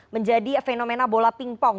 menjadi fenomena bola ping pong